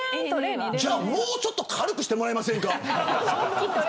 じゃあもうちょっと軽くしてもらえませんか。